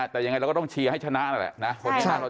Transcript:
แต่ยังไงเราก็ต้องเชียร์ให้ชนะนั่นแหละนะ